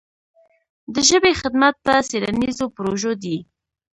د ژبې خدمت په څېړنیزو پروژو دی.